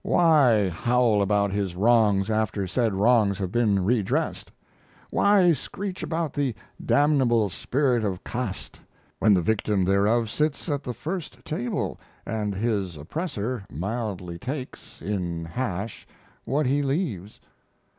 Why howl about his wrongs after said wrongs have been redressed? Why screech about the "damnable spirit of Cahst" when the victim thereof sits at the first table, and his oppressor mildly takes, in hash, what he leaves?